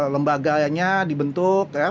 lembaganya dibentuk ya